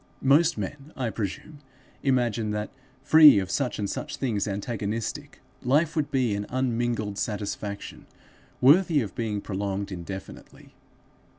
Most men, I presume, imagine that, free of such and such things antagonistic, life would be an unmingled satisfaction, worthy of being prolonged indefinitely.